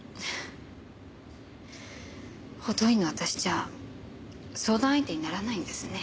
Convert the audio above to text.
補導員の私じゃ相談相手にならないんですね。